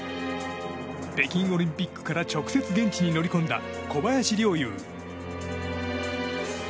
北京オリンピックから直接現地に乗り込んだ小林陵侑。